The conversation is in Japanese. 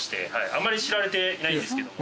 あんまり知られてないんですけども。